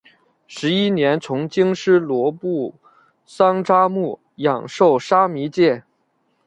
十一年从经师罗卜桑札木养受沙弥戒。